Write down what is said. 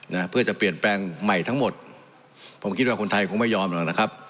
นะเพื่อจะเปลี่ยนแปลงใหม่ทั้งหมดผมคิดว่าคนไทยคงไม่ยอมหรอกนะครับ